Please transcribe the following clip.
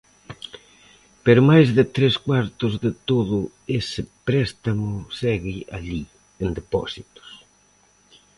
Pero máis de tres cuartos de todo ese préstamo segue alí, en depósitos.